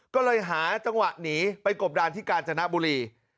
ก็เลยหาจังหวะหนีไปกบดานที่กาญจนบุรี